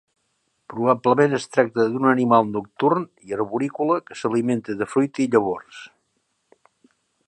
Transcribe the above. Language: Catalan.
Probablement es tracta d'un animal nocturn i arborícola que s'alimenta de fruita i llavors.